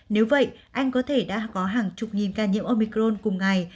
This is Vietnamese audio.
nếu vậy anh có thể đã có hàng chục nghìn ca nhiễm omicron cùng ngày